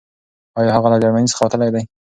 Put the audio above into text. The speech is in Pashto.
آيا هغه له جرمني څخه وتلی دی؟